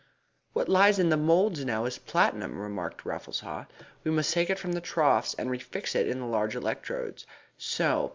"What lies in the moulds now is platinum," remarked Raffles Haw. "We must take it from the troughs and refix it in the large electrodes. So!